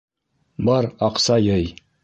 Бар, аҡса йый.